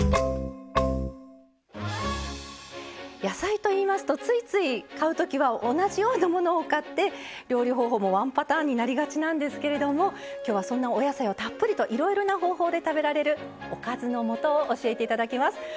野菜といいますとついつい買う時は同じようなものを買って料理方法もワンパターンになりがちなんですけれども今日はそんなお野菜をたっぷりといろいろな方法で食べられるおかずのもとを教えて頂きます。